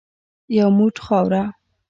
یو موټ خاوره .